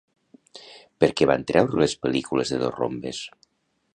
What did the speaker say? Per què van treure les pel·lícules de dos rombes?